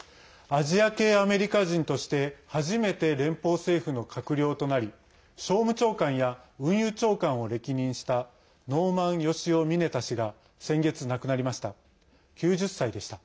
アジア系アメリカ人として初めて連邦政府の閣僚となり商務長官や運輸長官を歴任したノーマン・ヨシオ・ミネタ氏が先月亡くなりました。